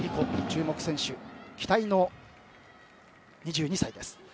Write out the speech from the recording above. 注目選手、期待の２２歳です。